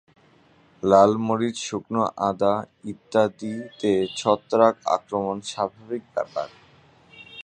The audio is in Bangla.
লাল মরিচ, শুকনো আদা ইত্যাদিতে ছত্রাক আক্রমণ স্বাভাবিক ব্যাপার।